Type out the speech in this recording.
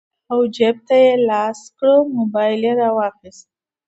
او جېب ته يې لاس کړو موبايل يې رواخيست